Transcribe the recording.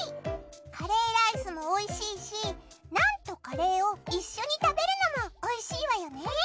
カレーライスもおいしいしナンとカレーをいっしょに食べるのもおいしいわよね！